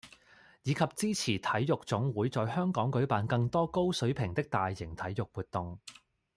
以及支持體育總會在香港舉辦更多高水平的大型體育活動